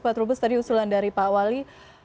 pak trubus tadi usulan dari pak wali